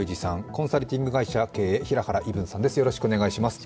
コンサルティング会社経営平原依文さんです。